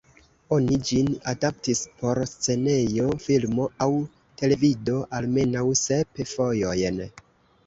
Oni ĝin adaptis por scenejo, filmo, aŭ televido almenaŭ sep fojojn.